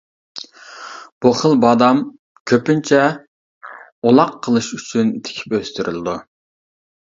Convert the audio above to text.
بۇ خىل بادام كۆپىنچە ئۇلاق قىلىش ئۈچۈن تىكىپ ئۆستۈرۈلىدۇ.